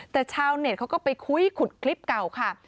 แต่ชาวเน็ตเขาก็ไปคุยขุดคลิปเก่าค่ะ